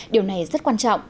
điều này rất quan trọng